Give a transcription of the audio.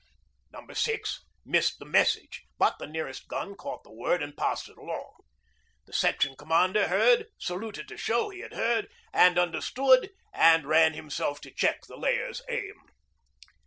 Number Six missed the message, but the nearest gun caught the word and passed it along. The Section Commander heard, saluted to show he had heard and understood, and ran himself to check the layer's aim.